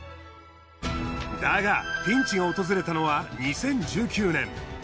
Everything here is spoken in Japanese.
だがピンチが訪れたのは２０１９年。